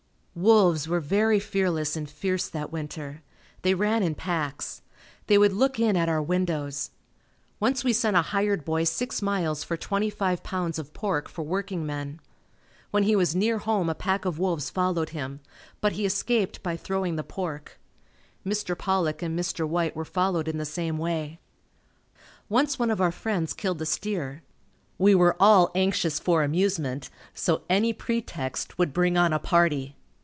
Wolves were very fearless and fierce that winter. They ran in packs. They would look in at our windows. Once we sent a hired boy six miles for twenty five pounds of pork for working men. When he was near home a pack of wolves followed him, but he escaped by throwing the pork. Mr. Pollock and Mr. White were followed in the same way. Once one of our friends killed a steer. We were all anxious for amusement so any pretext would bring on a party.